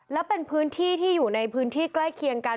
แล้วเป็นพื้นที่ที่อยู่ในพื้นที่ใกล้เคียงกัน